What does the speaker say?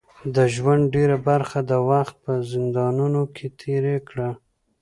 د ژوند ډیره برخه د وخت په زندانونو کې تېره کړه.